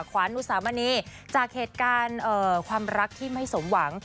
ขวานอุสามณีจากเหตุการณ์ความรักที่ไม่สมหวัง